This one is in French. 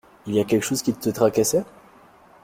Il y a quelque chose qui te tracassait?